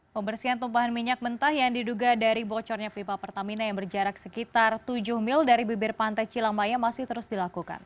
pembersihan tumpahan minyak mentah yang diduga dari bocornya pipa pertamina yang berjarak sekitar tujuh mil dari bibir pantai cilamaya masih terus dilakukan